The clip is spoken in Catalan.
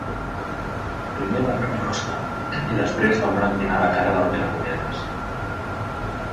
Primer va atacar l'Oskar i després va emblanquinar la cara del Perepunyetes.